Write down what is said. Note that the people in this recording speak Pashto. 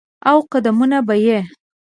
او قدمونه به یې،